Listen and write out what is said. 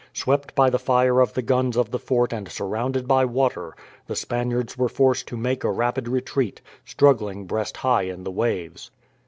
Swept by the fire of the guns of the fort and surrounded by water, the Spaniards were forced to make a rapid retreat, struggling breast high in the waves.